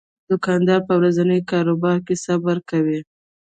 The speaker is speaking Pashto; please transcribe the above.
دوکاندار په ورځني کاروبار کې صبر کوي.